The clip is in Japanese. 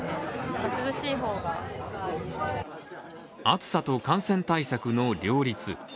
暑さと感染対策の両立